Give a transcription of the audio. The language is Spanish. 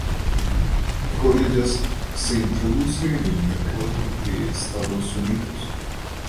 Con ellas se introduce en el mercado de Estados Unidos.